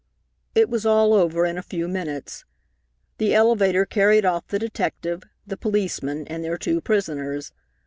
It was all over in a few minutes. The elevator carried off the detective, the policemen, and their two prisoners.